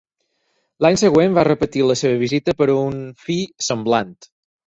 L'any següent, va repetir la seva visita per a un fi semblant.